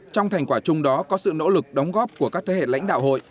trong thành quả chung đó có sự nỗ lực đóng góp của các thế hệ lãnh đạo hội